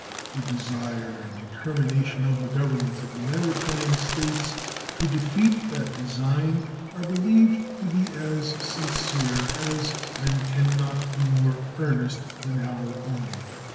The desire and determination of the governments of the maritime states to defeat that design are believed to be as sincere as and can not be more earnest than our own.